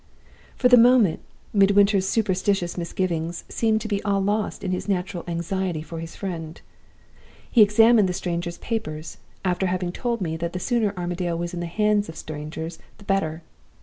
"For the moment, Midwinter's superstitious misgivings seemed to be all lost in his natural anxiety for his friend. He examined the stranger's papers after having told me that the sooner Armadale was in the hands of strangers the better!